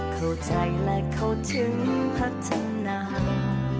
เข้าใจและเข้าถึงพัฒนา